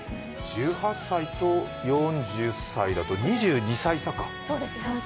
１８歳と４０歳だと２２歳差か。